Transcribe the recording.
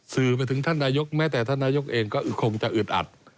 สื่อไปถึงท่านนายกแม้แต่ท่านนายกเองก็คงจะอึดอัด